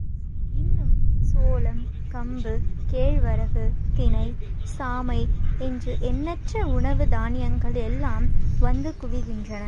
இன்னும் சோளம், கம்பு, கேழ்வரகு, தினை, சாமை, என்று எண்ணற்ற உணவு தானியங்கள் எல்லாம் வந்து குவிகின்றன.